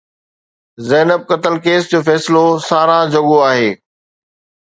زينب قتل ڪيس جو فيصلو ساراهه جوڳو آهي.